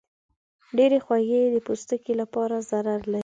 ډېرې خوږې د پوستکي لپاره ضرر لري.